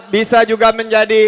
bisa juga menjadi